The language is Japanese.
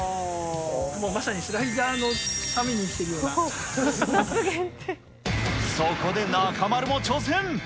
まさにスライダーのために生きてそこで中丸も挑戦。